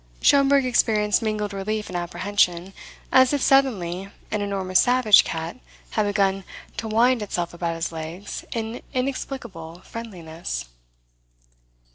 Schomberg experienced mingled relief and apprehension, as if suddenly an enormous savage cat had begun to wind itself about his legs in inexplicable friendliness.